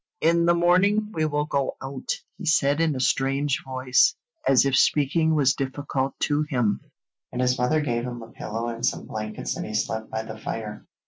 'In the morning we will go out,' he said in a strange voice, as if speaking was difficult to him, and his mother gave him a pillow and some blankets and he slept by the fire.